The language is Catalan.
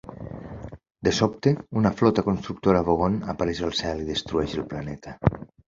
De sobte, una Flota Constructora Vogon apareix al cel i destrueix el planeta.